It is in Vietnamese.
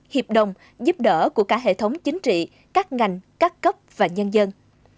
hiệp đồng giúp đỡ của cả hệ thống chính trị các ngành các cấp và nhân dân